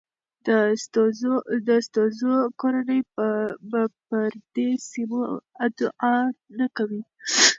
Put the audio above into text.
د سدوزو کورنۍ به پر دې سیمو ادعا نه کوي.